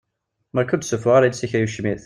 Barka ur d-ssufuɣ ara iles-ik ay ucmit!